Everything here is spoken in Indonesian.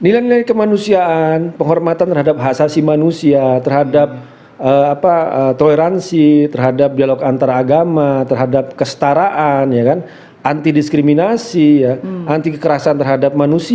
nilai nilai kemanusiaan penghormatan terhadap hak asasi manusia terhadap toleransi terhadap dialog antaragama terhadap kestaraan anti diskriminasi anti kekerasan terhadap manusia